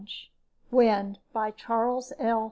net WIND By CHARLES L.